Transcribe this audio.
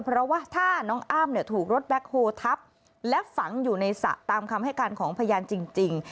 เพราะว่าถ้าน้องอ้ำถูกรถแบ็คโฮทับและฝังอยู่ในสระตามคำให้การของพยานจริง